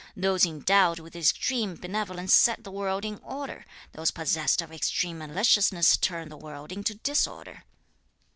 Those endowed with extreme benevolence set the world in order; those possessed of extreme maliciousness turn the world into disorder.